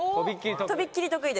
とびっきり得意。